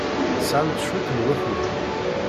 Tesɛamt cwiṭ n wakud?